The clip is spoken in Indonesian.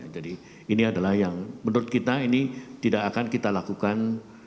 jadi ini adalah yang menurut kita ini tidak akan kita lakukan